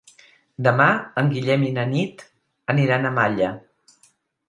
Demà en Guillem i na Nit aniran a Malla.